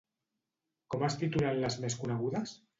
Com es titulen les més conegudes?